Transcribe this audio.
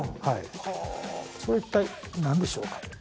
はいそれは一体何でしょうか